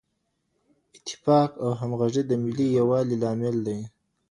اتفاق او همغږي د ملي یووالي لامل دی.